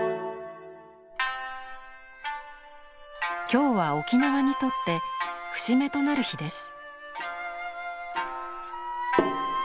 今日は沖縄にとって節目となる日です。